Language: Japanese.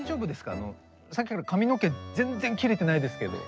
あのさっきから髪の毛全然切れてないですけど。